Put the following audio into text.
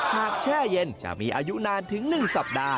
แช่เย็นจะมีอายุนานถึง๑สัปดาห์